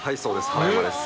原山です。